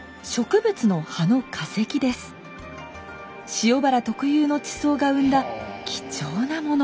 塩原特有の地層が生んだ貴重なもの。